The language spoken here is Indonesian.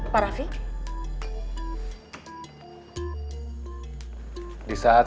pak raffi apa kabar